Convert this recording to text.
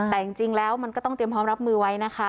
แต่จริงแล้วมันก็ต้องเตรียมพร้อมรับมือไว้นะคะ